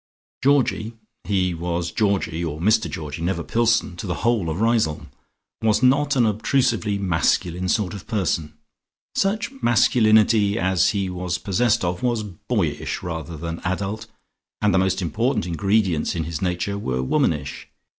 Georgie (he was Georgie or Mr Georgie, never Pillson to the whole of Riseholme) was not an obtrusively masculine sort of person. Such masculinity as he was possessed of was boyish rather than adult, and the most important ingredients in his nature were womanish.